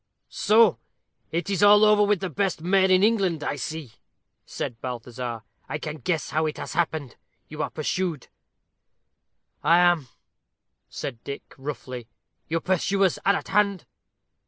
"So it's all over with the best mare in England, I see," said Balthazar; "I can guess how it has happened you are pursued?" "I am," said Dick, roughly. "Your pursuers are at hand?"